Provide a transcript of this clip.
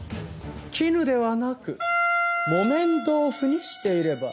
絹ではなく木綿豆腐にしていれば。